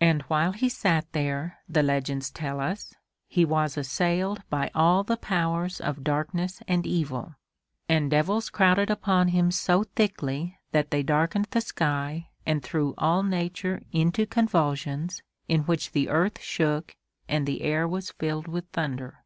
And while he sat there, the legends tell us, he was assailed by all the powers of darkness and evil, and devils crowded upon him so thickly that they darkened the sky and threw all Nature into convulsions in which the earth shook and the air was filled with thunder.